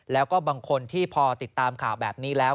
แล้วก็บางคนที่พอติดตามข่าวแบบนี้แล้ว